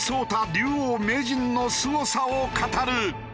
竜王・名人のすごさを語る。